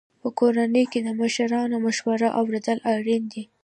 په کورنۍ کې د مشرانو مشوره اورېدل اړین دي.